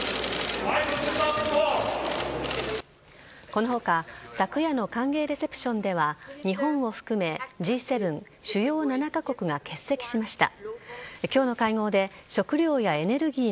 この他昨夜の歓迎レセプションでは日本を含めＧ７＝主要７カ国が欠席しました。